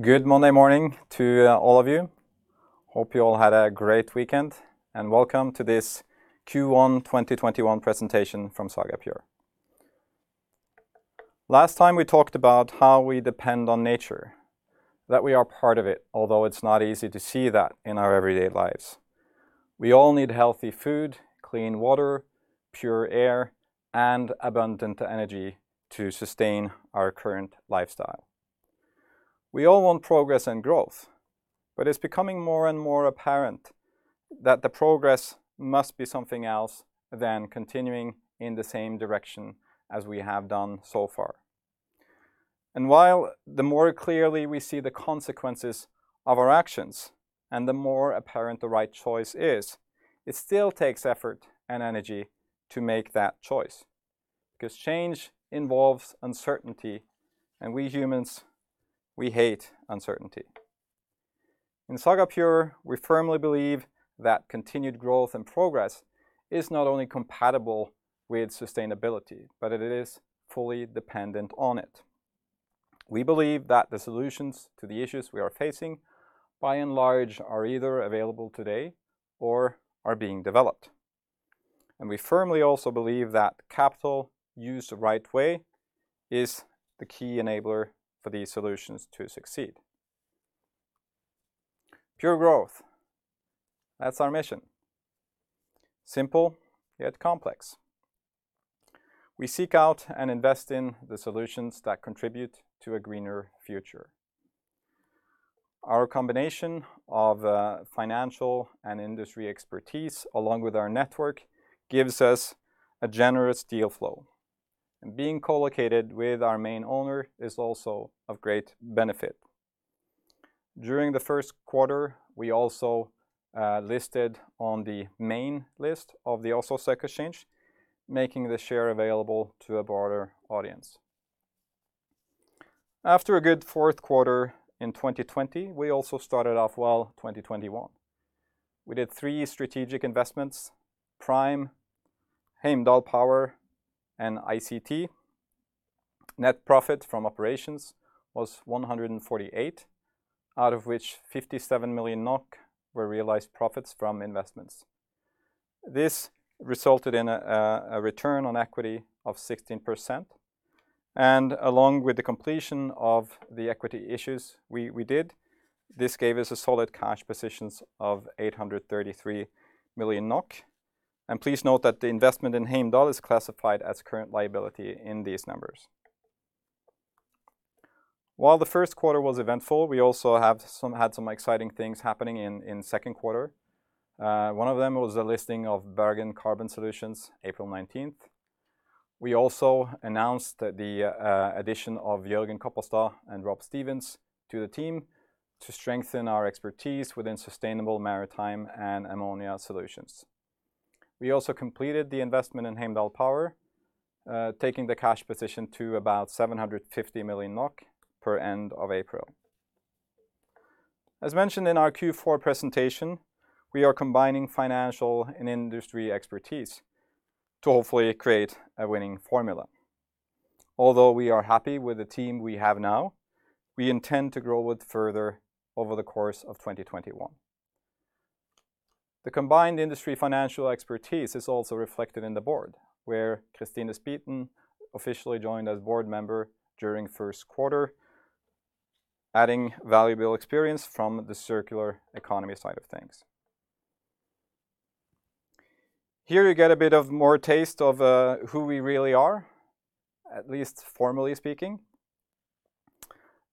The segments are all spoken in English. Good Monday morning to all of you. Hope you all had a great weekend. Welcome to this Q1 2021 presentation from Saga Pure. Last time, we talked about how we depend on nature, that we are part of it, although it's not easy to see that in our everyday lives. We all need healthy food, clean water, pure air, and abundant energy to sustain our current lifestyle. We all want progress and growth. It's becoming more and more apparent that the progress must be something else than continuing in the same direction as we have done so far. While the more clearly we see the consequences of our actions and the more apparent the right choice is, it still takes effort and energy to make that choice, because change involves uncertainty and we humans, we hate uncertainty. In Saga Pure, we firmly believe that continued growth and progress is not only compatible with sustainability, but it is fully dependent on it. We believe that the solutions to the issues we are facing, by and large, are either available today or are being developed. We firmly also believe that capital used the right way is the key enabler for these solutions to succeed. Pure growth. That's our mission. Simple, yet complex. We seek out and invest in the solutions that contribute to a greener future. Our combination of financial and industry expertise, along with our network, gives us a generous deal flow, and being co-located with our main owner is also of great benefit. During the first quarter, we also listed on the main list of the Oslo Stock Exchange, making the share available to a broader audience. After a good fourth quarter in 2020, we also started off well 2021. We did three strategic investments: Pryme, Heimdall Power, and ICT. Net profit from operations was 148 million, out of which 57 million NOK were realized profits from investments. This resulted in a return on equity of 16%, along with the completion of the equity issues we did, this gave us a solid cash positions of 833 million NOK. Please note that the investment in Heimdall is classified as current liability in these numbers. While the first quarter was eventful, we also have had some exciting things happening in second quarter. One of them was the listing of Bergen Carbon Solutions, April 19th. We also announced the addition of Jørgen Kopperstad and Rob Stevens to the team to strengthen our expertise within sustainable maritime and ammonia solutions. We also completed the investment in Heimdall Power, taking the cash position to about 750 million NOK per end of April. As mentioned in our Q4 presentation, we are combining financial and industry expertise to hopefully create a winning formula. Although we are happy with the team we have now, we intend to grow it further over the course of 2021. The combined industry financial expertise is also reflected in the board, where Christine Spiten officially joined as Board Member during first quarter, adding valuable experience from the circular economy side of things. Here you get a bit of more taste of who we really are, at least formally speaking.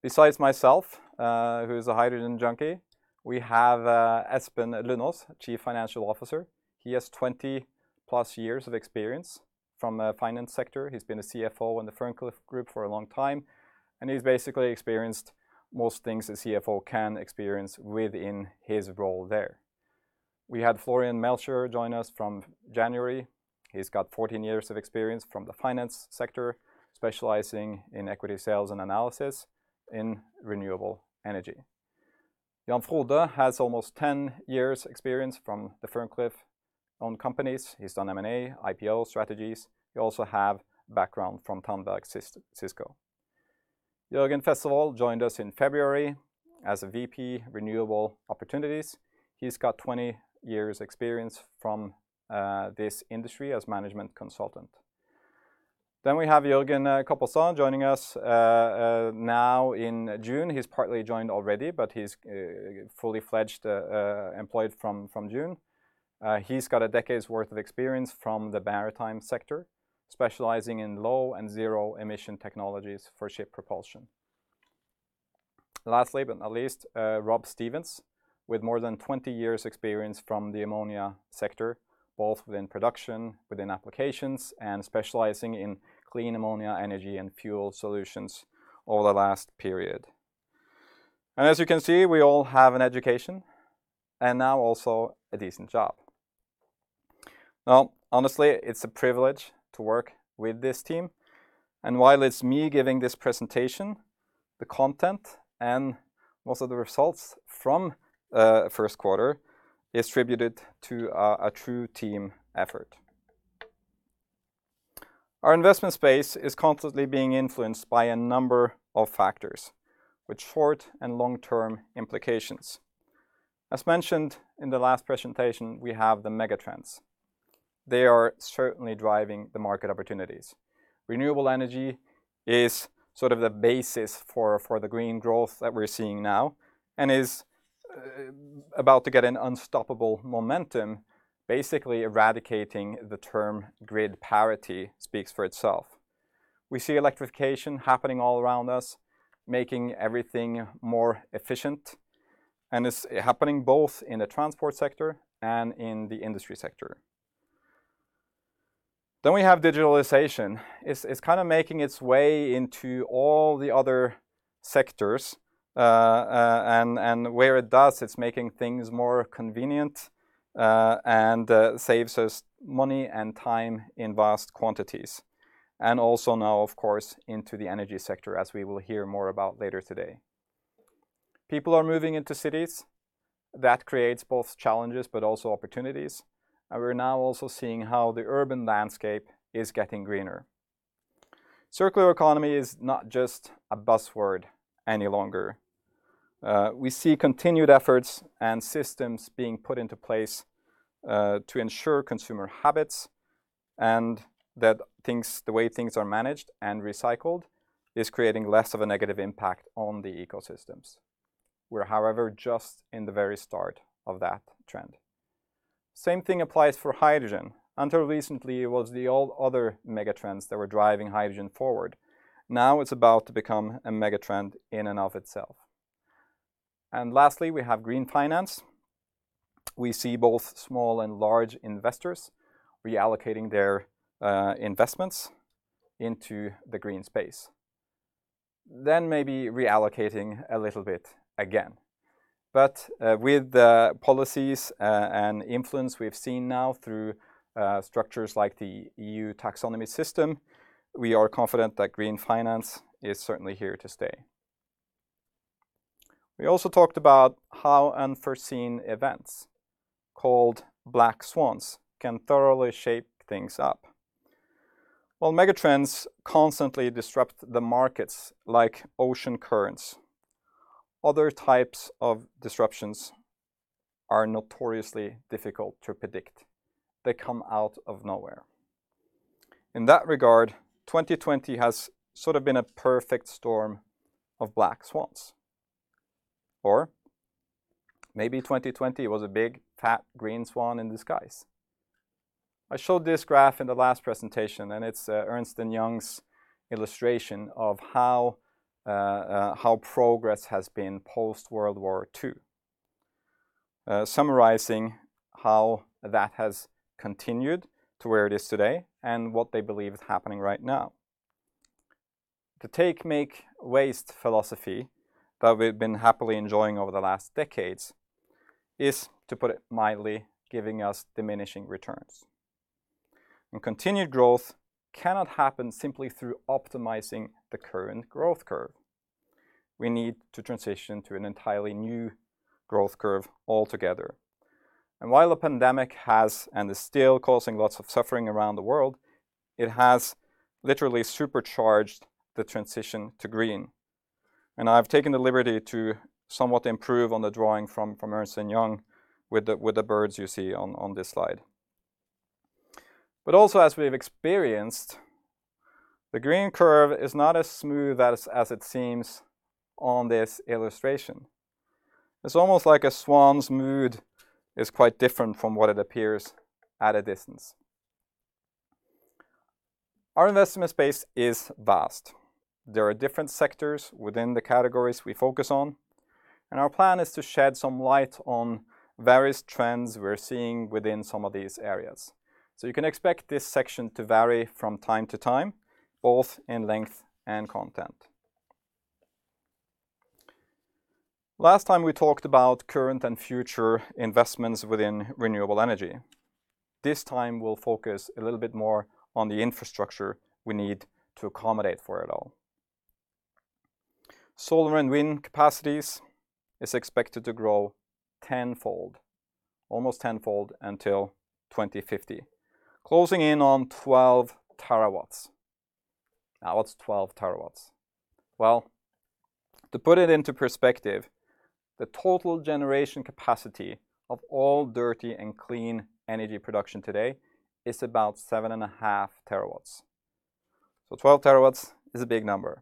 Besides myself, who's a hydrogen junkie, we have Espen Lundaas, Chief Financial Officer. He has 20 plus years of experience from finance sector. He's been a CFO in the Ferncliff Group for a long time. He's basically experienced most things a CFO can experience within his role there. We had Florian Melcher join us from January. He's got 14 years of experience from the finance sector, specializing in equity sales and analysis in renewable energy. Jan Frode has almost 10 years experience from the Ferncliff-owned companies. He's done M&A, IPO strategies. He also have background from Tandberg Cisco. Jørgen Festervoll joined us in February as a VP Renewable Opportunities. He's got 20 years experience from this industry as management consultant. We have Jørgen Kopperstad joining us now in June. He's partly joined already, but he's fully fledged, employed from June. He's got a decade's worth of experience from the maritime sector, specializing in low and zero emission technologies for ship propulsion. Lastly, but not least, Rob Stevens, with more than 20 years experience from the ammonia sector, both within production, within applications, and specializing in clean ammonia energy and fuel solutions over the last period. As you can see, we all have an education and now also a decent job. Honestly, it's a privilege to work with this team. While it's me giving this presentation, the content and most of the results from first quarter is attributed to a true team effort. Our investment space is constantly being influenced by a number of factors, with short and long-term implications. As mentioned in the last presentation, we have the megatrends. They are certainly driving the market opportunities. Renewable energy is sort of the basis for the green growth that we're seeing now and is about to get an unstoppable momentum, basically eradicating the term grid parity speaks for itself. We see electrification happening all around us, making everything more efficient, and it's happening both in the transport sector and in the industry sector. We have digitalization. It's making its way into all the other sectors, and where it does, it's making things more convenient and saves us money and time in vast quantities. Also now, of course, into the energy sector, as we will hear more about later today. People are moving into cities. That creates both challenges but also opportunities. We're now also seeing how the urban landscape is getting greener. circular economy is not just a buzzword any longer. We see continued efforts and systems being put into place to ensure consumer habits and that the way things are managed and recycled is creating less of a negative impact on the ecosystems. We're, however, just in the very start of that trend. Same thing applies for hydrogen. Until recently, it was the all other megatrends that were driving hydrogen forward. Now it's about to become a megatrend in and of itself. Lastly, we have green finance. We see both small and large investors reallocating their investments into the green space. Maybe reallocating a little bit again. With the policies and influence we've seen now through structures like the EU taxonomy system, we are confident that green finance is certainly here to stay. We also talked about how unforeseen events, called black swans, can thoroughly shape things up. While megatrends constantly disrupt the markets like ocean currents, other types of disruptions are notoriously difficult to predict. They come out of nowhere. In that regard, 2020 has sort of been a perfect storm of black swans. Maybe 2020 was a big, fat green swan in disguise. I showed this graph in the last presentation. It's Ernst & Young's illustration of how progress has been post-World War II, summarizing how that has continued to where it is today and what they believe is happening right now. The take, make, waste philosophy that we've been happily enjoying over the last decades is, to put it mildly, giving us diminishing returns. Continued growth cannot happen simply through optimizing the current growth curve. We need to transition to an entirely new growth curve altogether. While the pandemic has, and is still causing lots of suffering around the world, it has literally supercharged the transition to green. I've taken the liberty to somewhat improve on the drawing from Ernst & Young with the birds you see on this slide. Also as we've experienced, the green curve is not as smooth as it seems on this illustration. It's almost like a swan's mood is quite different from what it appears at a distance. Our investment space is vast. There are different sectors within the categories we focus on. Our plan is to shed some light on various trends we're seeing within some of these areas. You can expect this section to vary from time to time, both in length and content. Last time, we talked about current and future investments within renewable energy. This time we'll focus a little bit more on the infrastructure we need to accommodate for it all. Solar and wind capacities is expected to grow almost tenfold until 2050, closing in on 12 TW. What's 12 TW? To put it into perspective, the total generation capacity of all dirty and clean energy production today is about 7.5 TW. 12 TW is a big number.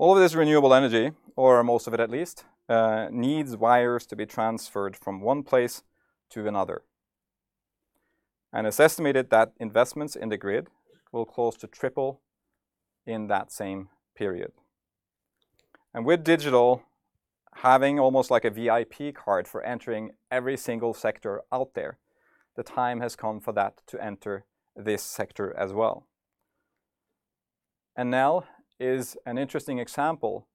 All of this renewable energy, or most of it at least, needs wires to be transferred from one place to another. It's estimated that investments in the grid will close to triple in that same period. With digital having almost like a VIP card for entering every single sector out there, the time has come for that to enter this sector as well. Now is an interesting example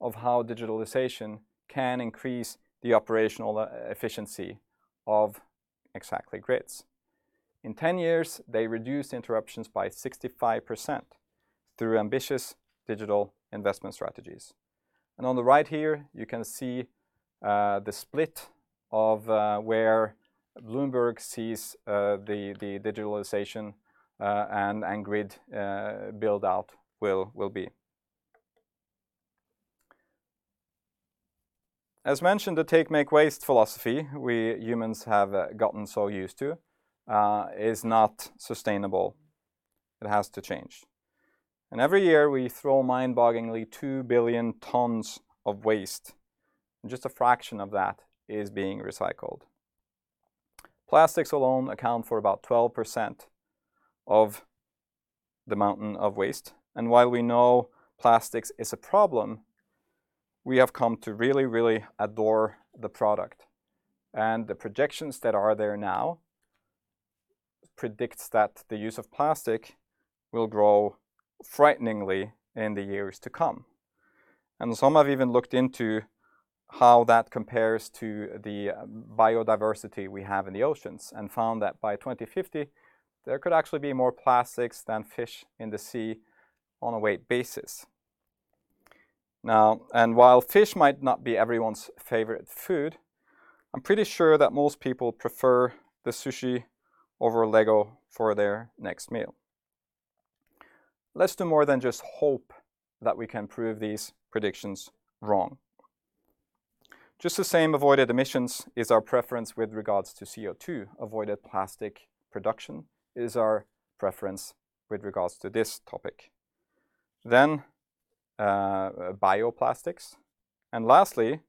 of how digitalization can increase the operational efficiency of exactly grids. In 10 years, they reduced interruptions by 65% through ambitious digital investment strategies. On the right here, you can see the split of where Bloomberg sees the digitalization and grid build-out will be. As mentioned, the take-make-waste philosophy we humans have gotten so used to is not sustainable. It has to change. Every year we throw mind-bogglingly 2 billion tons of waste, and just a fraction of that is being recycled. Plastics alone account for about 12% of the mountain of waste. While we know plastics is a problem, we have come to really adore the product. The projections that are there now predicts that the use of plastic will grow frighteningly in the years to come. Some have even looked into how that compares to the biodiversity we have in the oceans and found that by 2050, there could actually be more plastics than fish in the sea on a weight basis. Now, while fish might not be everyone's favorite food, I'm pretty sure that most people prefer the sushi over Lego for their next meal. Let's do more than just hope that we can prove these predictions wrong. Just the same, avoided emissions is our preference with regards to CO2. Avoided plastic production is our preference with regards to this topic. Bioplastics. Lastly,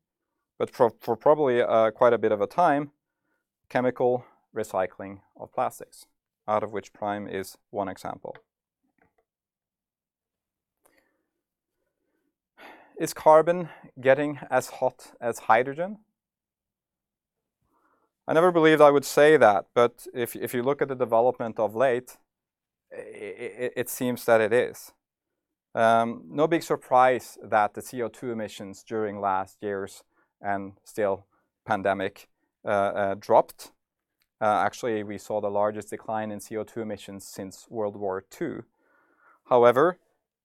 but for probably quite a bit of a time, chemical recycling of plastics, out of which Pryme is one example. Is carbon getting as hot as hydrogen? I never believed I would say that, if you look at the development of late, it seems that it is. No big surprise that the CO2 emissions during last year's, and still, pandemic dropped. Actually, we saw the largest decline in CO2 emissions since World War II.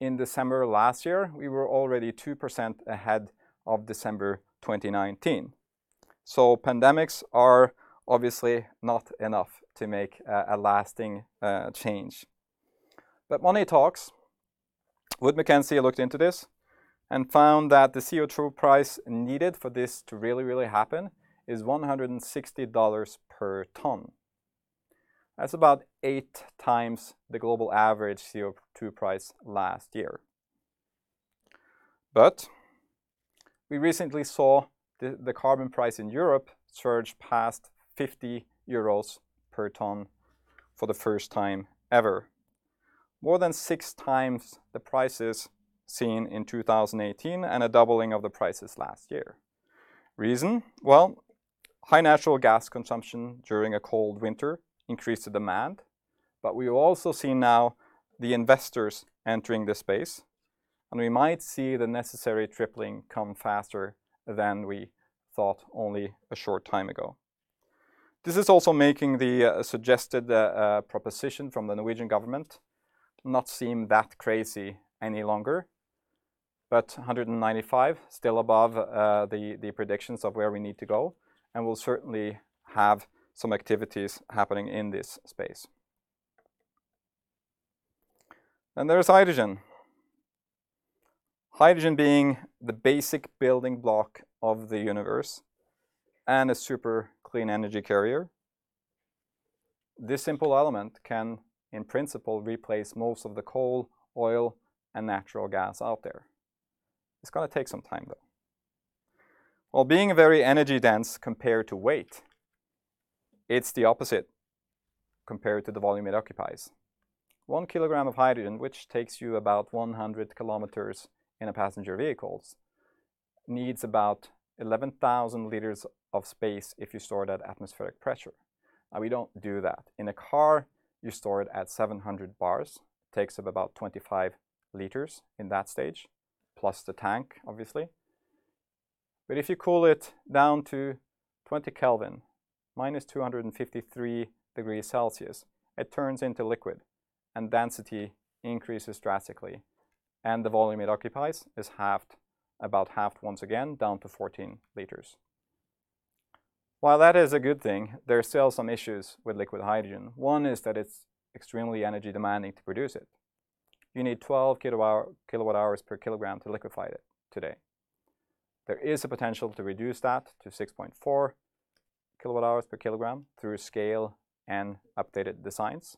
In December last year, we were already 2% ahead of December 2019. Pandemics are obviously not enough to make a lasting change. Money talks. Wood Mackenzie looked into this and found that the CO2 price needed for this to really, really happen is $160 per ton. That's about 8x the global average CO2 price last year. We recently saw the carbon price in Europe surge past 50 euros per ton for the first time ever. More than 6x the prices seen in 2018 and a doubling of the prices last year. Reason? Well, high natural gas consumption during a cold winter increased the demand. We also see now the investors entering the space, and we might see the necessary tripling come faster than we thought only a short time ago. This is also making the suggested proposition from the Norwegian government not seem that crazy any longer, but 195 still above the predictions of where we need to go, and we'll certainly have some activities happening in this space. There's hydrogen. Hydrogen being the basic building block of the universe and a super clean energy carrier. This simple element can, in principle, replace most of the coal, oil, and natural gas out there. It's got to take some time, though. While being very energy-dense compared to weight, it's the opposite compared to the volume it occupies. 1 kg of hydrogen, which takes you about 100 km in a passenger vehicle, needs about 11,000 L of space if you store it at atmospheric pressure. Now, we don't do that. In a car, you store it at 700 bars. Takes up about 25 L in that stage, plus the tank, obviously. If you cool it down to 20 Kelvin, -253 degrees Celsius, it turns into liquid and density increases drastically, and the volume it occupies is about halved once again down to 14 L. While that is a good thing, there are still some issues with liquid hydrogen. One is that it is extremely energy demanding to produce it. You need 12 kWh per kilogram to liquefy it today. There is a potential to reduce that to 6.4 kWh per kilogram through scale and updated designs,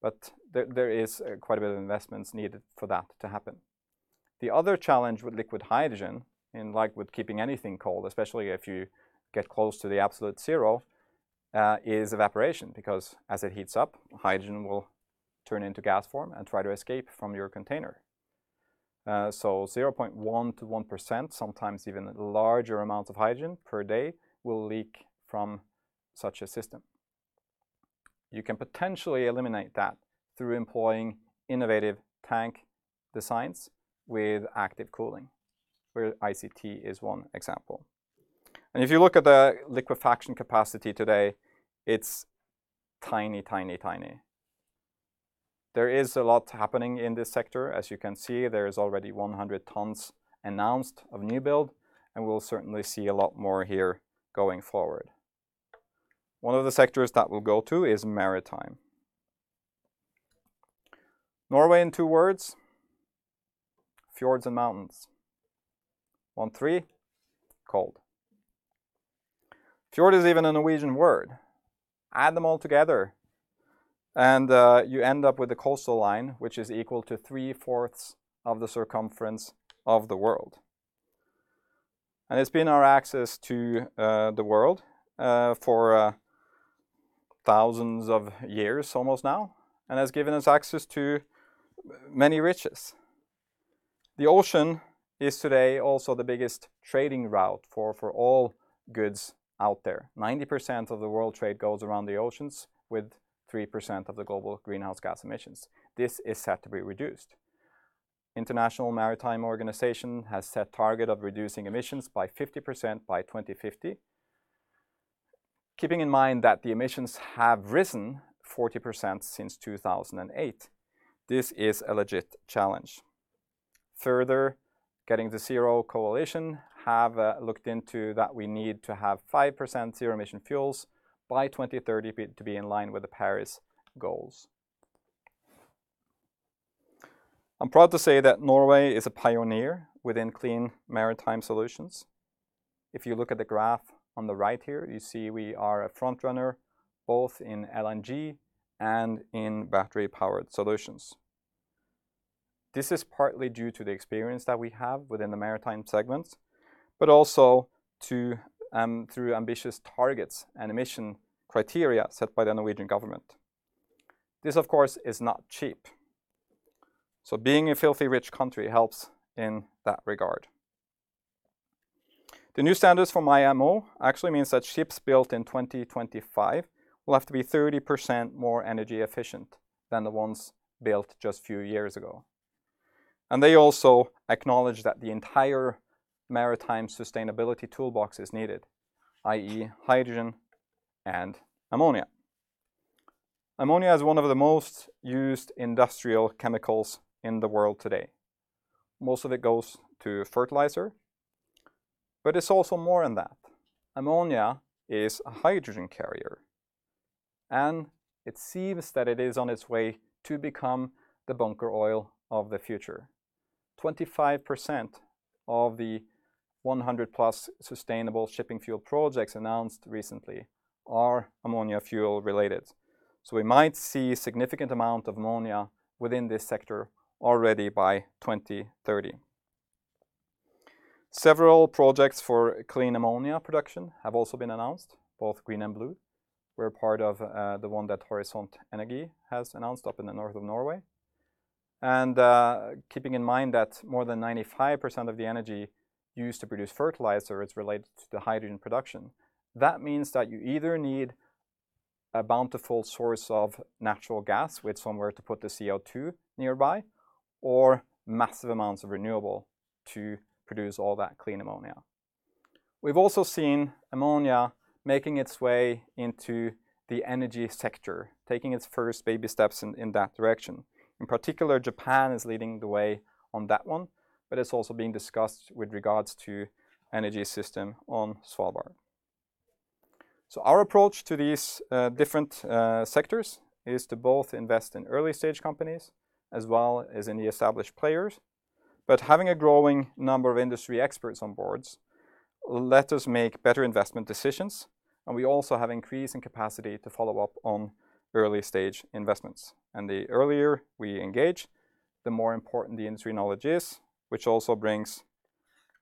but there is quite a bit of investments needed for that to happen. The other challenge with liquid hydrogen, and like with keeping anything cold, especially if you get close to the absolute zero, is evaporation, because as it heats up, hydrogen will turn into gas form and try to escape from your container. 0.1%-1%, sometimes even larger amounts of hydrogen per day, will leak from such a system. You can potentially eliminate that through employing innovative tank designs with active cooling, where ICT is one example. If you look at the liquefaction capacity today, it's tiny. There is a lot happening in this sector. As you can see, there is already 100 tons announced of new build. We'll certainly see a lot more here going forward. One of the sectors that we'll go to is maritime. Norway in two words, fjords and mountains. Want three? Cold. Fjord is even a Norwegian word. Add them all together and you end up with a coastal line which is equal to 3/4 of the circumference of the world. It's been our access to the world for thousands of years almost now, and has given us access to many riches. The ocean is today also the biggest trading route for all goods out there. 90% of the world trade goes around the oceans with 3% of the global greenhouse gas emissions. This is set to be reduced. International Maritime Organization has set target of reducing emissions by 50% by 2050. Keeping in mind that the emissions have risen 40% since 2008, this is a legit challenge. Further, Getting to Zero Coalition have looked into that we need to have 5% zero emission fuels by 2030 to be in line with the Paris goals. I'm proud to say that Norway is a pioneer within clean maritime solutions. If you look at the graph on the right here, you see we are a frontrunner both in LNG and in battery-powered solutions. This is partly due to the experience that we have within the maritime segments, but also through ambitious targets and emission criteria set by the Norwegian government. This, of course, is not cheap, so being a filthy rich country helps in that regard. The new standards from IMO actually means that ships built in 2025 will have to be 30% more energy efficient than the ones built just few years ago. They also acknowledge that the entire maritime sustainability toolbox is needed, i.e. hydrogen and ammonia. Ammonia is one of the most used industrial chemicals in the world today. Most of it goes to fertilizer, but it's also more than that. Ammonia is a hydrogen carrier, and it seems that it is on its way to become the bunker oil of the future. 25% of the 100+ sustainable shipping fuel projects announced recently are ammonia fuel related. We might see significant amount of ammonia within this sector already by 2030. Several projects for clean ammonia production have also been announced, both green and blue. We're part of the one that Horisont Energi has announced up in the north of Norway. Keeping in mind that more than 95% of the energy used to produce fertilizer is related to the hydrogen production. That means that you either need a bountiful source of natural gas with somewhere to put the CO2 nearby, or massive amounts of renewable to produce all that clean ammonia. We've also seen ammonia making its way into the energy sector, taking its first baby steps in that direction. In particular, Japan is leading the way on that one, but it's also being discussed with regards to energy system on Svalbard. Our approach to these different sectors is to both invest in early-stage companies as well as in the established players. Having a growing number of industry experts on boards let us make better investment decisions, and we also have increasing capacity to follow up on early-stage investments. The earlier we engage, the more important the industry knowledge is, which also brings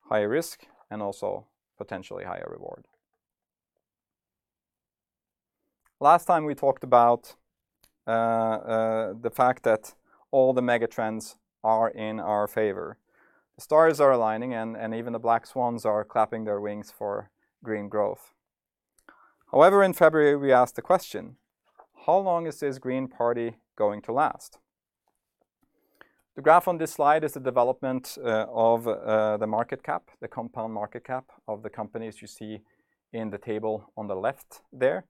higher risk and also potentially higher reward. Last time we talked about the fact that all the mega trends are in our favor. The stars are aligning, and even the black swans are clapping their wings for green growth. In February, we asked the question: How long is this green party going to last? The graph on this slide is the development of the market cap, the compound market cap of the companies you see in the table on the left there.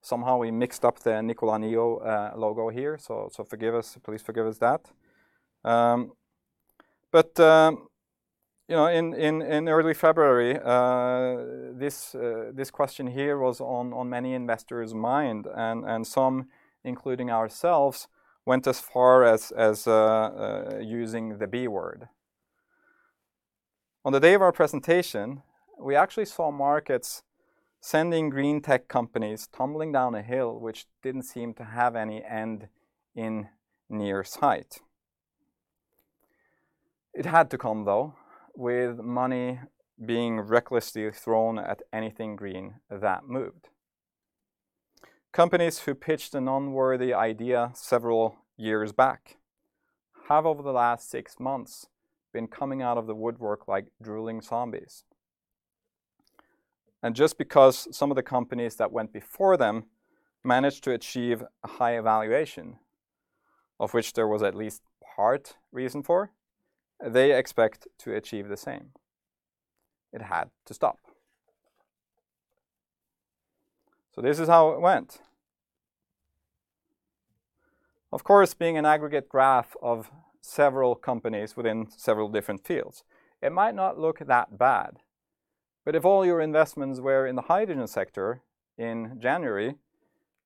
Somehow, we mixed up the Nikola NIO logo here, so please forgive us that. In early February, this question here was on many investors' mind, and some, including ourselves, went as far as using the B word. On the day of our presentation, we actually saw markets sending green tech companies tumbling down a hill which didn't seem to have any end in near sight. It had to come, though, with money being recklessly thrown at anything green that moved. Companies who pitched an unworthy idea several years back have, over the last six months, been coming out of the woodwork like drooling zombies. Just because some of the companies that went before them managed to achieve a higher valuation. Of which there was at least part reason for, they expect to achieve the same. It had to stop. This is how it went. Of course, being an aggregate graph of several companies within several different fields, it might not look that bad. If all your investments were in the hydrogen sector in January,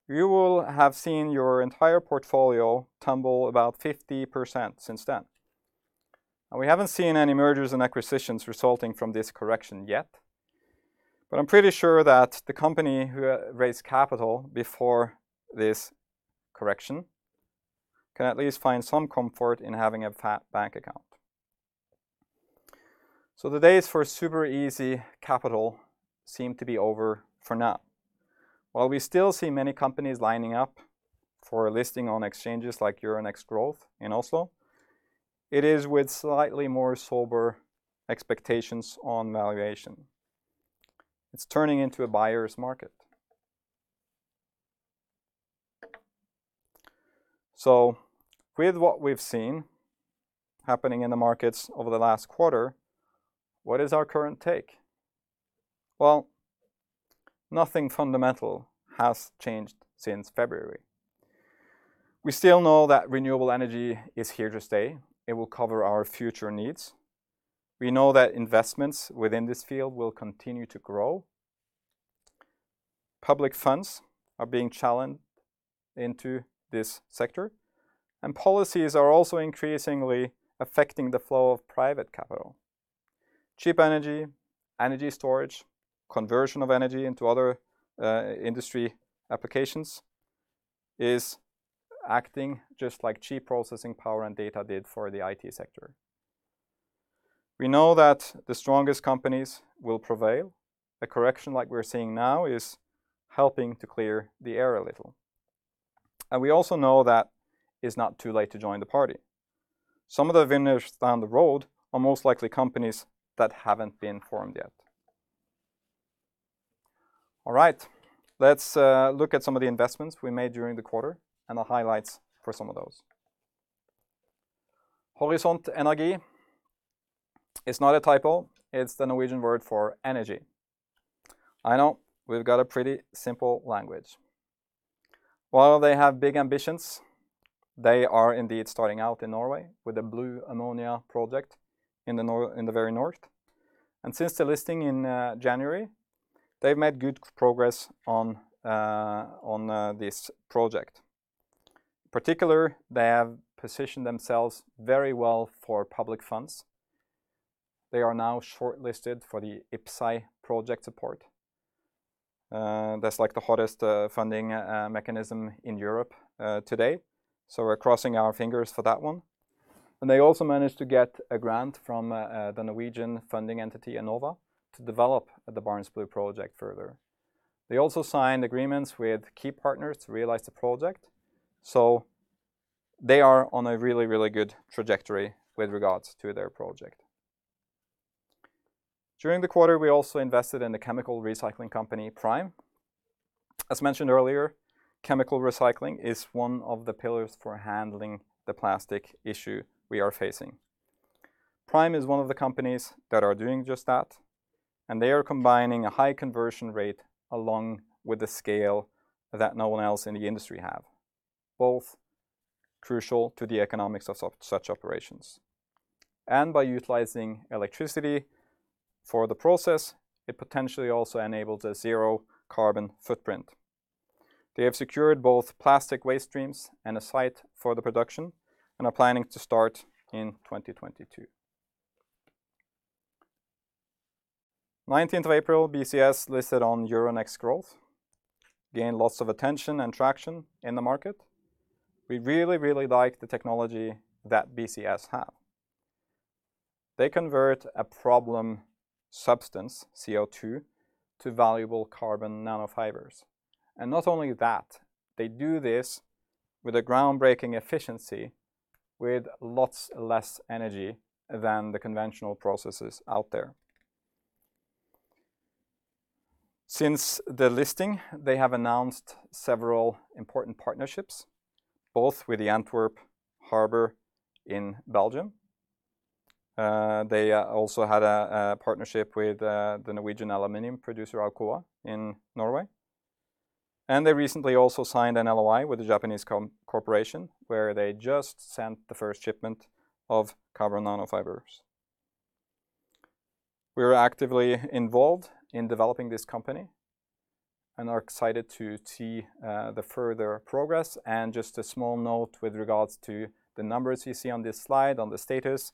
you will have seen your entire portfolio tumble about 50% since then. We haven't seen any mergers and acquisitions resulting from this correction yet, but I'm pretty sure that the company who raised capital before this correction can at least find some comfort in having a fat bank account. The days for super easy capital seem to be over for now. While we still see many companies lining up for listing on exchanges like Euronext Growth in Oslo, it is with slightly more sober expectations on valuation. It's turning into a buyer's market. With what we've seen happening in the markets over the last quarter, what is our current take? Well, nothing fundamental has changed since February. We still know that renewable energy is here to stay. It will cover our future needs. We know that investments within this field will continue to grow. Public funds are being challenged into this sector, and policies are also increasingly affecting the flow of private capital. Cheap energy storage, conversion of energy into other industry applications is acting just like cheap processing power and data did for the IT sector. We know that the strongest companies will prevail. A correction like we're seeing now is helping to clear the air a little. We also know that it's not too late to join the party. Some of the winners down the road are most likely companies that haven't been formed yet. All right. Let's look at some of the investments we made during the quarter and the highlights for some of those. Horisont Energi is not a typo. It's the Norwegian word for energy. I know, we've got a pretty simple language. While they have big ambitions, they are indeed starting out in Norway with a blue ammonia project in the very north. Since the listing in January, they've made good progress on this project. Particular, they have positioned themselves very well for public funds. They are now shortlisted for the IPCEI project support. That's like the hottest funding mechanism in Europe today, so we're crossing our fingers for that one. They also managed to get a grant from the Norwegian funding entity, Enova, to develop the Barents Blue project further. They also signed agreements with key partners to realize the project, so they are on a really, really good trajectory with regards to their project. During the quarter, we also invested in the chemical recycling company, Pryme. As mentioned earlier, chemical recycling is one of the pillars for handling the plastic issue we are facing. Pryme is one of the companies that are doing just that, they are combining a high conversion rate along with the scale that no one else in the industry have, both crucial to the economics of such operations. By utilizing electricity for the process, it potentially also enables a zero carbon footprint. They have secured both plastic waste streams and a site for the production and are planning to start in 2022. 19th of April, BCS listed on Euronext Growth, gained lots of attention and traction in the market. We really like the technology that BCS have. They convert a problem substance, CO2, to valuable carbon nanofibers. Not only that, they do this with a groundbreaking efficiency with lots less energy than the conventional processes out there. Since the listing, they have announced several important partnerships, both with the Antwerp harbor in Belgium. They also had a partnership with the Norwegian aluminum producer, Alcoa, in Norway. They recently also signed an LOI with a Japanese corporation where they just sent the first shipment of carbon nanofibers. We are actively involved in developing this company and are excited to see the further progress, and just a small note with regards to the numbers you see on this slide on the status,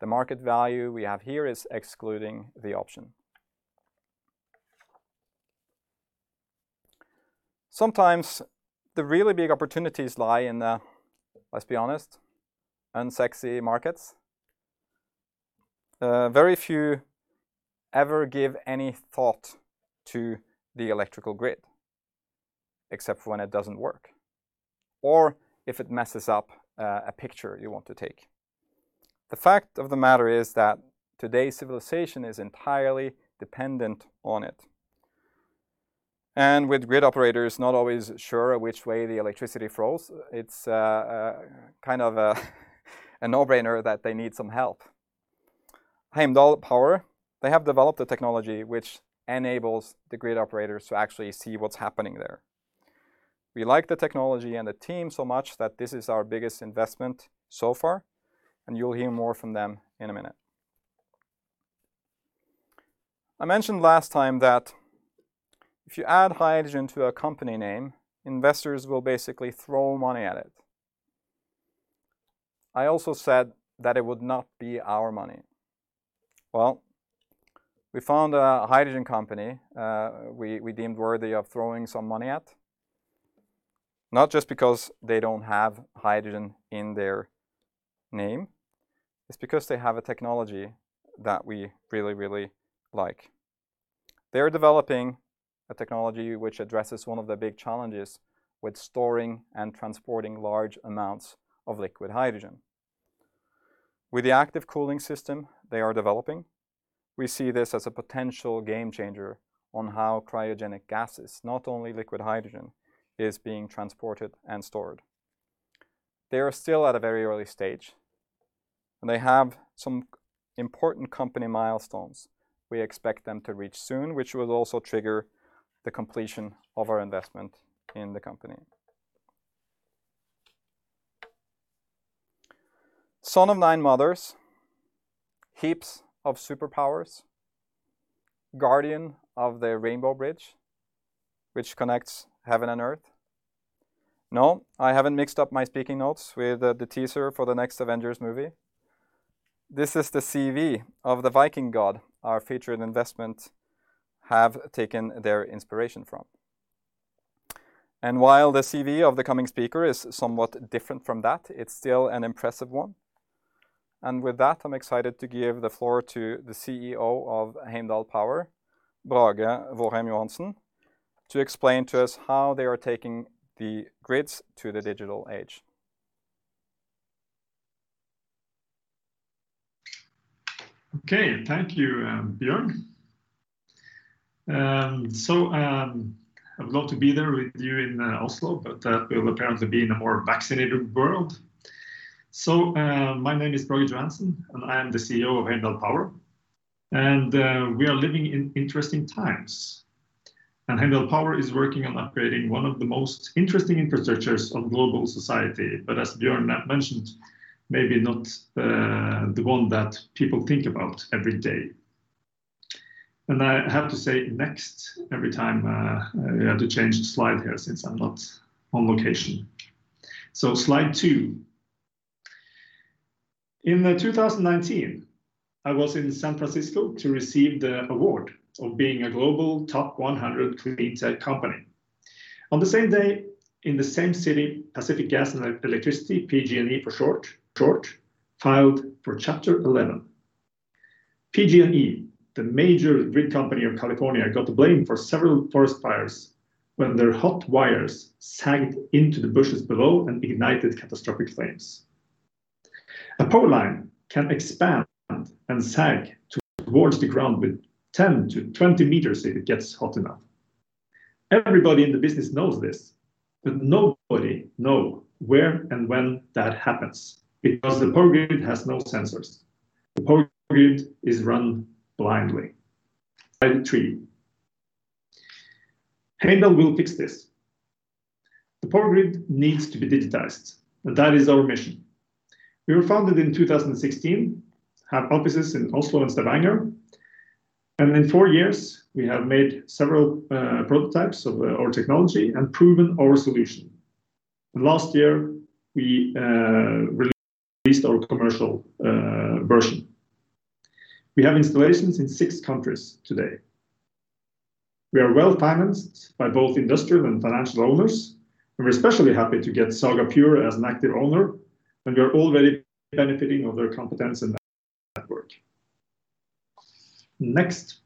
the market value we have here is excluding the option. Sometimes the really big opportunities lie in the, let's be honest, unsexy markets. Very few ever give any thought to the electrical grid except for when it doesn't work or if it messes up a picture you want to take. The fact of the matter is that today's civilization is entirely dependent on it. With grid operators not always sure which way the electricity flows, it's a no-brainer that they need some help. Heimdall Power, they have developed a technology which enables the grid operators to actually see what's happening there. We like the technology and the team so much that this is our biggest investment so far, and you'll hear more from them in a minute. I mentioned last time that if you add hydrogen to a company name, investors will basically throw money at it. I also said that it would not be our money. Well, we found a hydrogen company we deemed worthy of throwing some money at. Not just because they don't have hydrogen in their name, it's because they have a technology that we really, really like. They're developing a technology which addresses one of the big challenges with storing and transporting large amounts of liquid hydrogen. With the active cooling system they are developing, we see this as a potential game changer on how cryogenic gases, not only liquid hydrogen, is being transported and stored. They are still at a very early stage, and they have some important company milestones we expect them to reach soon, which will also trigger the completion of our investment in the company. Son of nine mothers, heaps of superpowers, guardian of the Rainbow Bridge, which connects heaven and earth. I haven't mixed up my speaking notes with the teaser for the next Avengers movie. This is the CV of the Viking god our featured investment have taken their inspiration from. While the CV of the coming speaker is somewhat different from that, it's still an impressive one. With that, I'm excited to give the floor to the CEO of Heimdall Power, Brage Johansen, to explain to us how they are taking the grids to the digital age. Okay. Thank you, Bjørn. I'd love to be there with you in Oslo, but we'll apparently be in a more vaccinated world. My name is Brage Johansen, and I am the CEO of Heimdall Power. We are living in interesting times, and Heimdall Power is working on upgrading one of the most interesting infrastructures of global society, but as Bjørn mentioned, maybe not the one that people think about every day. I have to say next every time I have to change the slide here since I'm not on location. Slide two. In 2019, I was in San Francisco to receive the award of being a global top 100 clean tech company. On the same day, in the same city, Pacific Gas and Electric, PG&E for short, filed for Chapter 11. PG&E, the major grid company of California, got the blame for several forest fires when their hot wires sagged into the bushes below and ignited catastrophic flames. A power line can expand and sag towards the ground with 10-20 m if it gets hot enough. Everybody in the business knows this, but nobody know where and when that happens because the power grid has no sensors. The power grid is run blindly. Slide three. Heimdall will fix this. The power grid needs to be digitized, and that is our mission. We were founded in 2016, have offices in Oslo and Stavanger, and in four years, we have made several prototypes of our technology and proven our solution. Last year, we released our commercial version. We have installations in six countries today. We are well-financed by both industrial and financial owners, and we're especially happy to get Saga Pure as an active owner, and we are already benefiting of their competence and network. Next.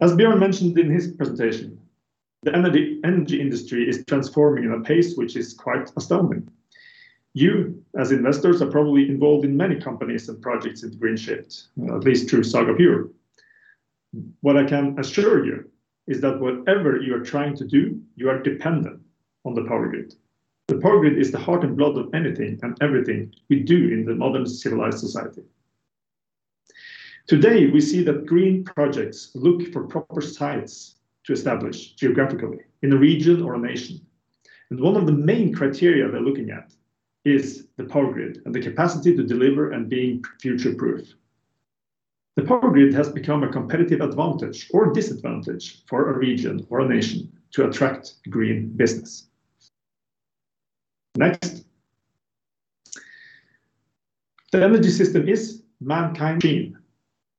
As Bjørn mentioned in his presentation, the energy industry is transforming at a pace which is quite astounding. You, as investors, are probably involved in many companies and projects in green shift, at least through Saga Pure. What I can assure you is that whatever you are trying to do, you are dependent on the power grid. The power grid is the heart and blood of anything and everything we do in the modern civilized society. Today, we see that green projects look for proper sites to establish geographically in a region or a nation, and one of the main criteria they're looking at is the power grid and the capacity to deliver and being future-proof. The power grid has become a competitive advantage or disadvantage for a region or a nation to attract green business. Next. The energy system is mankind machine.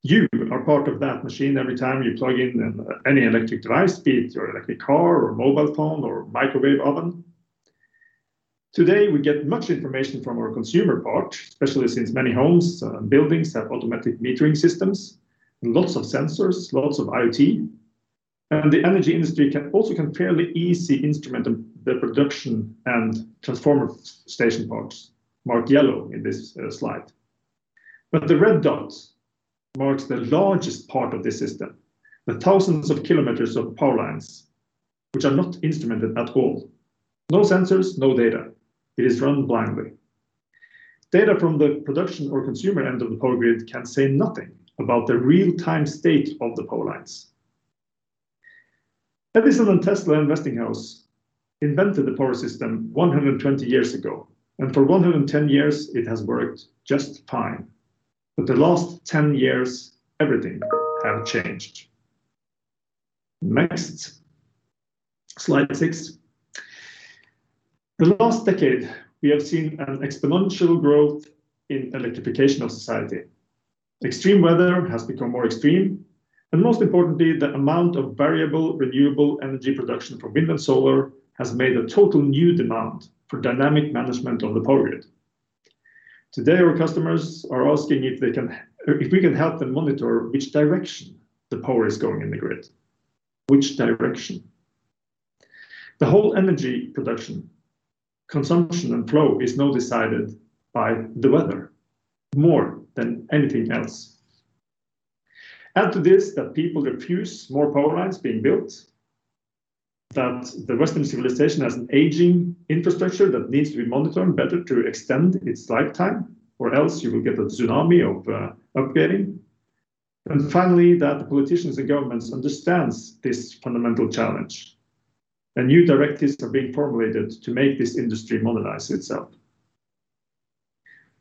You are part of that machine every time you plug in any electric device, be it your electric car or mobile phone or microwave oven. Today, we get much information from our consumer part, especially since many homes and buildings have automatic metering systems and lots of sensors, lots of IoT. The energy industry can also fairly easy instrument the production and transformer station parts, marked yellow in this slide. The red dots marks the largest part of the system, the thousands of kilometers of power lines which are not instrumented at all. No sensors, no data. It is run blindly. Data from the production or consumer end of the power grid can say nothing about the real time state of the power lines. Edison and Tesla and Westinghouse invented the power system 120 years ago, and for 110 years it has worked just fine. The last 10 years, everything have changed. Next. Slide six. The last decade, we have seen an exponential growth in electrification of society. Extreme weather has become more extreme, and most importantly, the amount of variable renewable energy production from wind and solar has made a total new demand for dynamic management of the power grid. Today, our customers are asking if we can help them monitor which direction the power is going in the grid. Which direction. The whole energy production, consumption, and flow is now decided by the weather more than anything else. Add to this that people refuse more power lines being built, that the Western civilization has an aging infrastructure that needs to be monitored better to extend its lifetime, or else you will get a tsunami of upgrading. Finally, that the politicians and governments understands this fundamental challenge, and new directives are being formulated to make this industry modernize itself.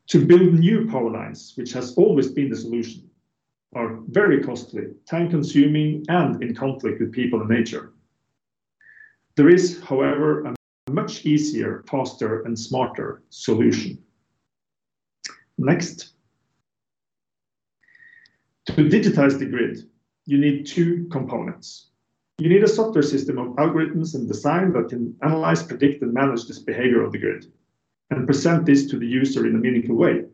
To build new power lines, which has always been the solution, are very costly, time-consuming, and in conflict with people and nature. There is, however, a much easier, faster, and smarter solution. Next. To digitize the grid, you need two components. You need a software system of algorithms and design that can analyze, predict, and manage this behavior of the grid and present this to the user in a meaningful way.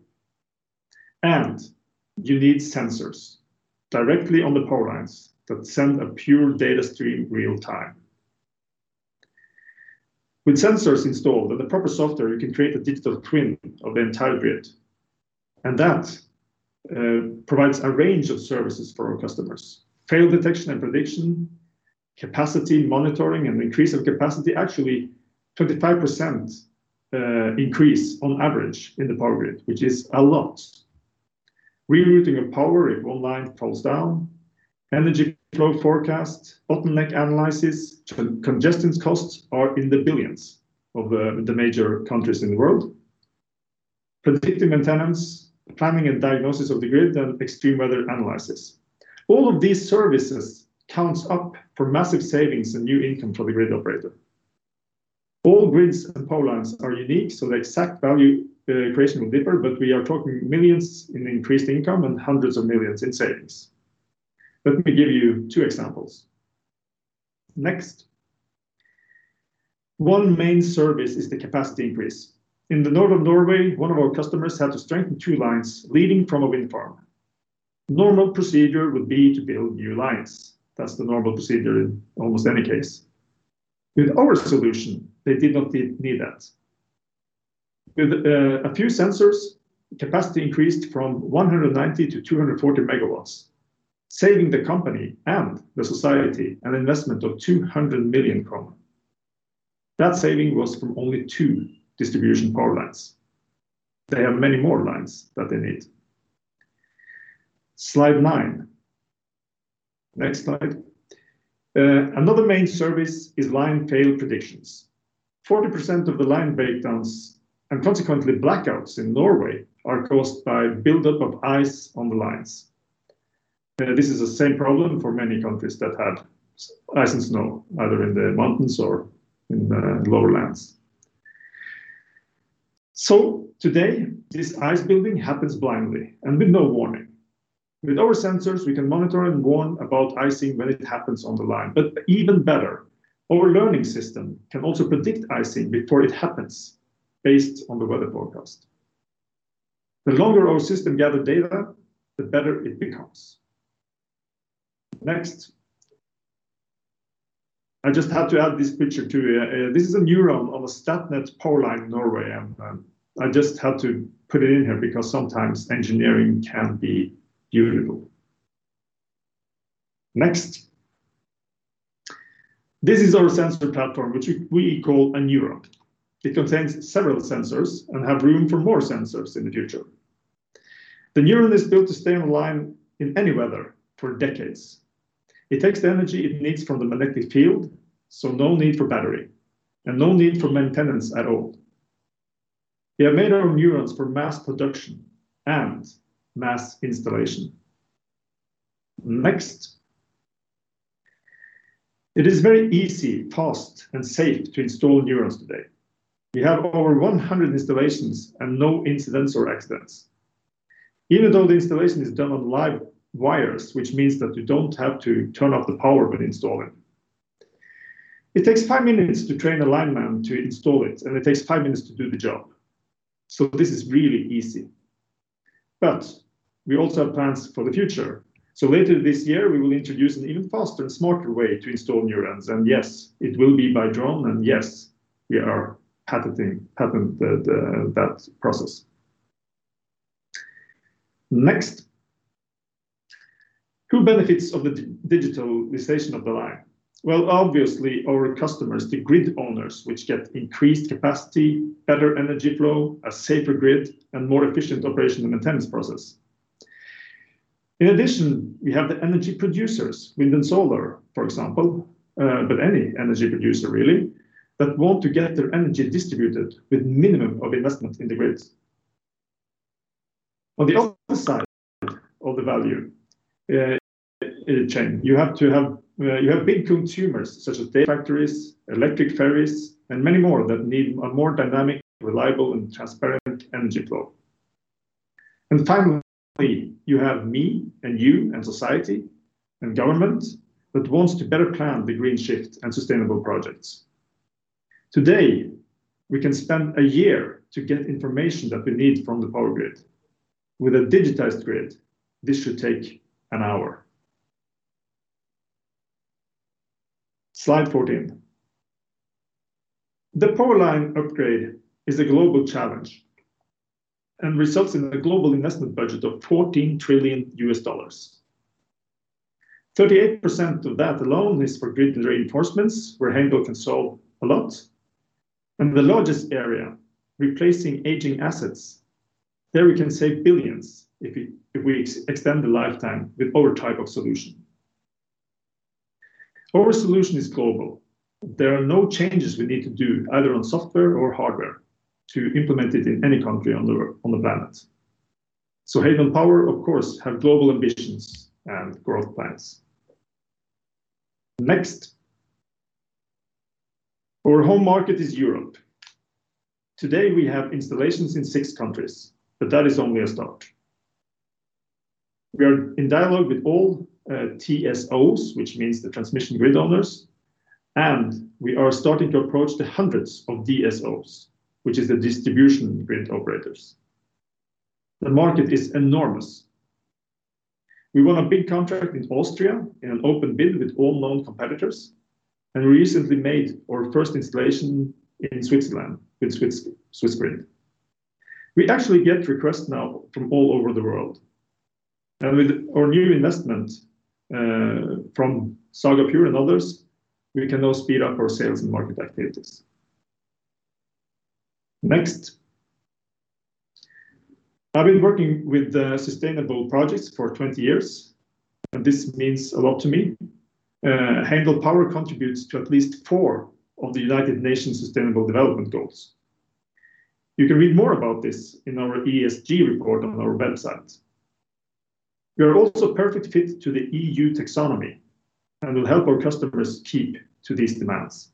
You need sensors directly on the power lines that send a pure data stream in real time. With sensors installed, with the proper software, you can create a digital twin of the entire grid, and that provides a range of services for our customers. Fail detection and prediction, capacity monitoring, and increase of capacity. Actually, 25% increase on average in the power grid, which is a lot. Rerouting of power if one line falls down, energy flow forecast, bottleneck analysis. Congestion costs are in the billions of the major countries in the world. Predictive maintenance, planning and diagnosis of the grid, and extreme weather analysis. All of these services counts up for massive savings and new income for the grid operator. All grids and power lines are unique, so the exact value equation will differ, but we are talking millions in increased income and hundreds of millions in savings. Let me give you two examples. Next. One main service is the capacity increase. In the north of Norway, one of our customers had to strengthen two lines leading from a wind farm. Normal procedure would be to build new lines. That's the normal procedure in almost any case. With our solution, they did not need that. With a few sensors, capacity increased from 190 to 240 MW, saving the company and the society an investment of 200 million kroner. That saving was from only two distribution power lines. They have many more lines that they need. Slide nine. Next slide. Another main service is line fail predictions. 40% of the line breakdowns, and consequently blackouts, in Norway are caused by buildup of ice on the lines. This is the same problem for many countries that have ice and snow, either in the mountains or in the lower lands. Today, this ice building happens blindly and with no warning. With our sensors, we can monitor and warn about icing when it happens on the line. Even better, our learning system can also predict icing before it happens based on the weather forecast. The longer our system gather data, the better it becomes. Next. I just had to add this picture, too. This is a Neuron of a Statnett power line in Norway, and I just had to put it in here because sometimes engineering can be beautiful. Next. This is our sensor platform, which we call a Neuron. It contains several sensors and have room for more sensors in the future. The Neuron is built to stay on the line in any weather for decades. It takes the energy it needs from the magnetic field, so no need for battery and no need for maintenance at all. We are made our Neurons for mass production and mass installation. Next. It is very easy, fast, and safe to install Neuron today. We have over 100 installations and no incidents or accidents, even though the installation is done on live wires, which means that you don't have to turn off the power when installing. It takes five minutes to train a lineman to install it, and it takes five minutes to do the job. This is really easy. We also have plans for the future. Later this year, we will introduce an even faster and smarter way to install Neuron. Yes, it will be by drone. We are patenting that process. Next. Who benefits of the digitalization of the line? Well, obviously, our customers, the grid owners, which get increased capacity, better energy flow, a safer grid, and more efficient operation and maintenance process. In addition, we have the energy producers, wind and solar, for example, but any energy producer, really, that want to get their energy distributed with minimum of investment in the grids. On the other side of the value chain, you have big consumers such as data factories, electric ferries, and many more that need a more dynamic, reliable, and transparent energy flow. Finally, you have me and you and society and government that wants to better plan the green shift and sustainable projects. Today, we can spend a year to get information that we need from the power grid. With a digitized grid, this should take an hour. Slide 14. The power line upgrade is a global challenge and results in a global investment budget of $14 trillion. 38% of that alone is for grid reinforcements, where Heimdall can solve a lot. The largest area, replacing aging assets, there we can save billions if we extend the lifetime with our type of solution. Our solution is global. There are no changes we need to do either on software or hardware to implement it in any country on the planet. Heimdall Power, of course, have global ambitions and growth plans. Next. Our home market is Europe. Today, we have installations in six countries, but that is only a start. We are in dialogue with all TSOs, which means the transmission grid owners, and we are starting to approach the hundreds of DSOs, which is the distribution grid operators. The market is enormous. We won a big contract in Austria in an open bid with all known competitors, and we recently made our first installation in Switzerland with Swissgrid. We actually get requests now from all over the world. With our new investment from Saga Pure and others, we can now speed up our sales and market activities. Next. I've been working with sustainable projects for 20 years, and this means a lot to me. Heimdall Power contributes to at least four of the United Nations Sustainable Development Goals. You can read more about this in our ESG report on our website. We are also a perfect fit to the EU taxonomy and will help our customers keep to these demands.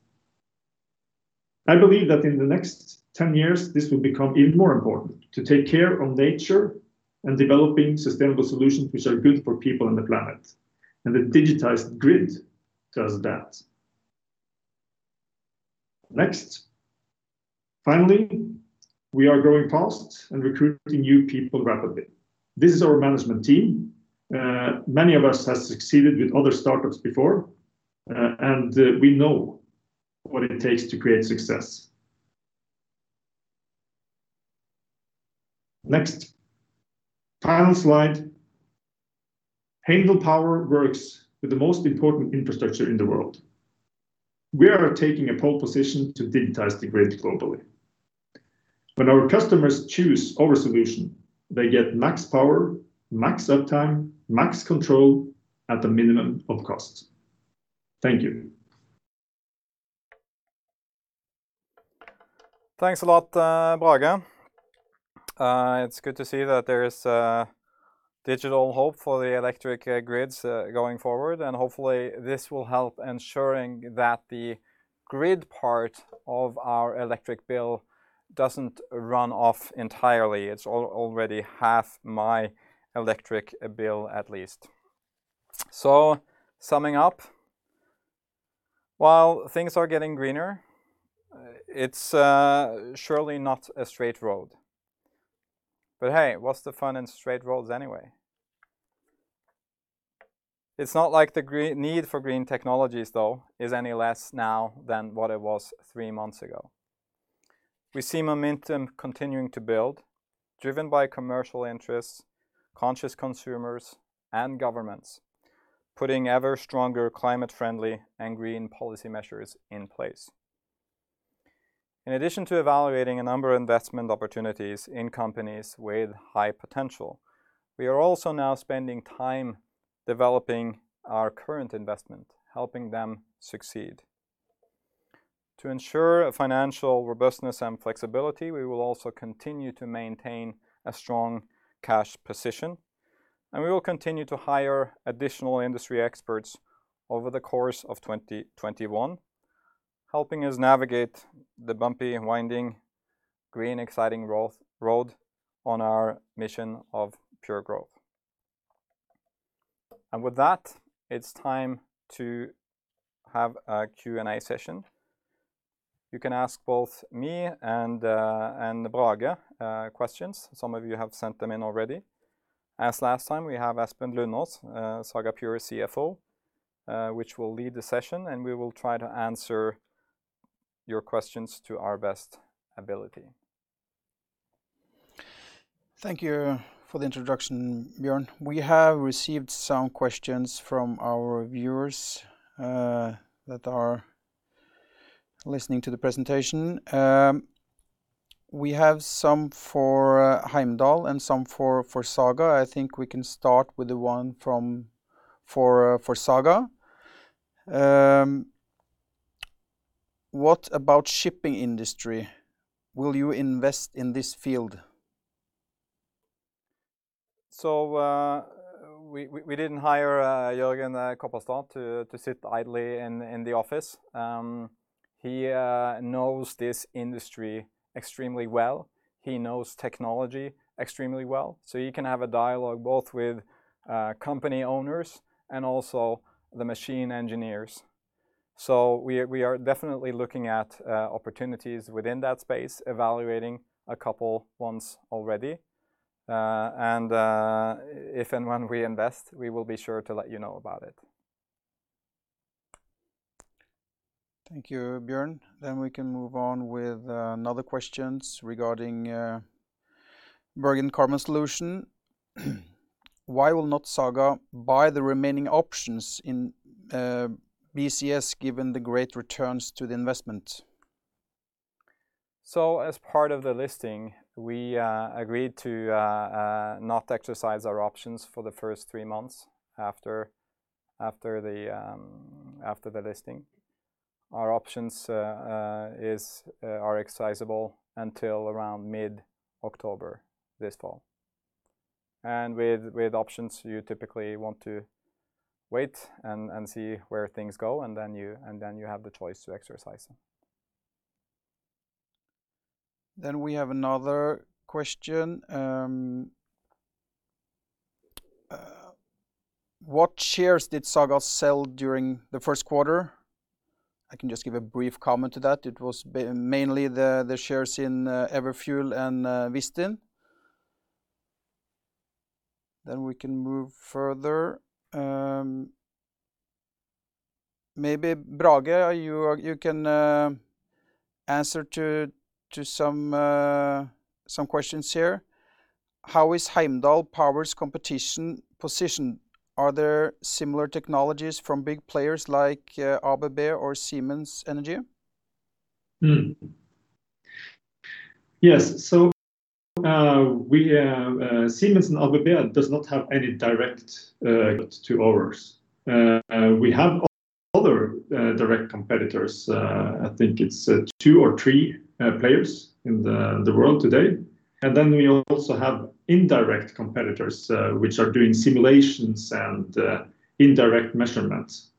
I believe that in the next 10 years, this will become even more important to take care of nature and developing sustainable solutions which are good for people and the planet. The digitized grid does that. Next. Finally, we are growing fast and recruiting new people rapidly. This is our management team. Many of us has succeeded with other startups before, and we know what it takes to create success. Next. Final slide. Heimdall Power works with the most important infrastructure in the world. We are taking a pole position to digitize the grid globally. When our customers choose our solution, they get max power, max uptime, max control at a minimum of cost. Thank you. Thanks a lot, Brage. It's good to see that there is a digital hope for the electric grids going forward, and hopefully this will help ensuring that the grid part of our electric bill doesn't run off entirely. It's already half my electric bill, at least. Summing up, while things are getting greener, it's surely not a straight road. Hey, what's the fun in straight roads anyway? It's not like the need for green technologies, though, is any less now than what it was three months ago. We see momentum continuing to build, driven by commercial interests, conscious consumers, and governments, putting ever stronger climate friendly and green policy measures in place. In addition to evaluating a number of investment opportunities in companies with high potential, we are also now spending time developing our current investment, helping them succeed. To ensure financial robustness and flexibility, we will also continue to maintain a strong cash position. We will continue to hire additional industry experts over the course of 2021, helping us navigate the bumpy and winding green, exciting road on our mission of pure growth. With that, it's time to have a Q&A session. You can ask both me and Brage questions. Some of you have sent them in already. As last time, we have Espen Lundaas, Saga Pure CFO which will lead the session. We will try to answer your questions to our best ability. Thank you for the introduction, Bjørn. We have received some questions from our viewers that are listening to the presentation. We have some for Heimdall and some for Saga. I think we can start with the one for Saga. What about shipping industry? Will you invest in this field? We didn't hire Jørgen Kopperstad to sit idly in the office. He knows this industry extremely well. He knows technology extremely well, so he can have a dialogue both with company owners and also the machine engineers. We are definitely looking at opportunities within that space, evaluating a couple ones already. If and when we invest, we will be sure to let you know about it. Thank you, Bjørn. We can move on with another question regarding Bergen Carbon Solutions. Why will not Saga buy the remaining options in BCS given the great returns to the investment? As part of the listing, we agreed to not exercise our options for the first three months after the listing. Our options are exercisable until around mid-October this fall. With options, you typically want to wait and see where things go, and then you have the choice to exercise them. We have another question. What shares did Saga sell during the first quarter? I can just give a brief comment to that. It was mainly the shares in Everfuel and Vistin. We can move further. Maybe, Brage, you can answer to some questions here. How is Heimdall Power's competition position? Are there similar technologies from big players like ABB or Siemens Energy? Yes. Siemens and ABB does not have any direct to ours. We have other direct competitors, I think it's two or three players in the world today. We also have indirect competitors which are doing simulations and indirect measurements.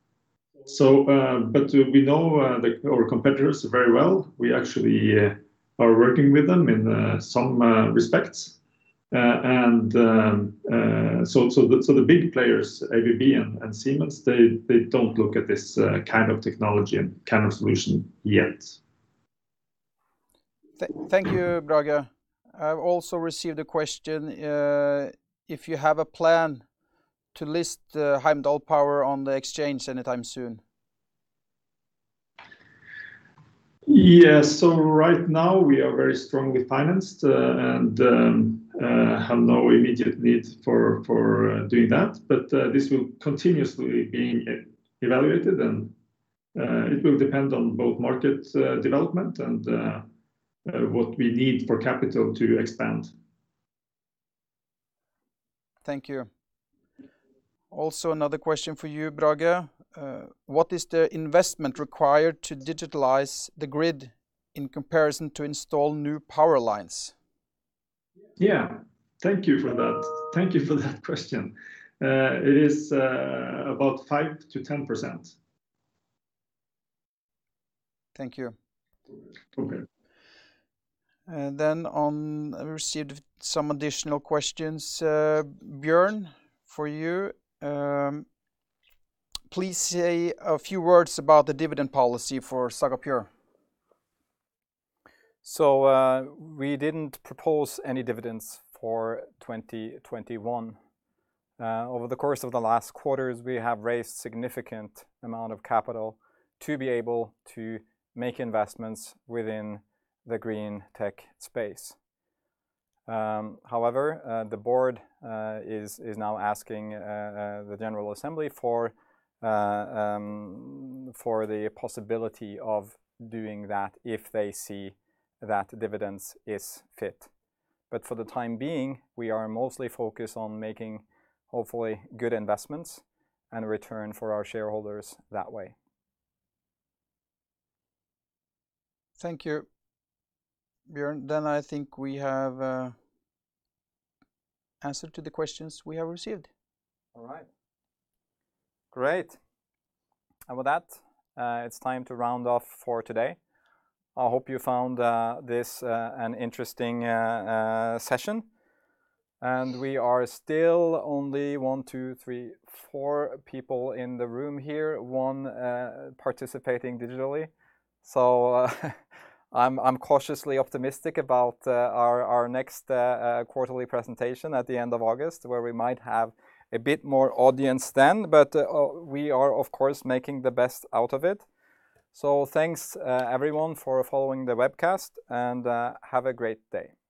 We know our competitors very well. We actually are working with them in some respects. The big players, ABB and Siemens, they don't look at this kind of technology and kind of solution yet. Thank you, Brage. I've also received a question, if you have a plan to list Heimdall Power on the exchange anytime soon. Yes. Right now we are very strongly financed and have no immediate need for doing that. This will continuously being evaluated, and it will depend on both market development and what we need for capital to expand. Thank you. Another question for you, Brage. What is the investment required to digitalize the grid in comparison to install new power lines? Yeah. Thank you for that question. It is about 5%-10%. Thank you. Okay. I received some additional questions, Bjørn, for you. Please say a few words about the dividend policy for Saga Pure. We didn't propose any dividends for 2021. Over the course of the last quarters, we have raised significant amount of capital to be able to make investments within the green tech space. The board is now asking the general assembly for the possibility of doing that if they see that dividends is fit. For the time being, we are mostly focused on making hopefully good investments and a return for our shareholders that way. Thank you, Bjørn. I think we have answered to the questions we have received. All right. Great. With that, it's time to round off for today. I hope you found this an interesting session. We are still only one, two, three, four people in the room here, one participating digitally. I'm cautiously optimistic about our next quarterly presentation at the end of August, where we might have a bit more audience then. We are, of course, making the best out of it. Thanks, everyone, for following the webcast, and have a great day.